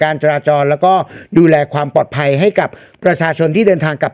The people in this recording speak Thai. จราจรแล้วก็ดูแลความปลอดภัยให้กับประชาชนที่เดินทางกลับ